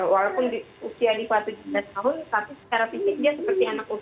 walaupun usia diva tujuh belas tahun status terapisnya seperti andalus